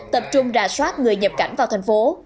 tập trung rà soát người nhập cảnh vào thành phố